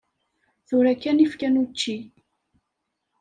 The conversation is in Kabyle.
Tura kan i kfan učči.